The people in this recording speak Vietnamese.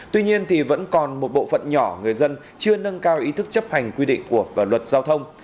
tuy nhiên vẫn còn một bộ phận nhỏ người dân chưa nâng cao ý thức chấp hành quy định của luật giao thông